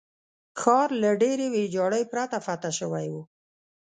ښار له ډېرې ویجاړۍ پرته فتح شوی وو.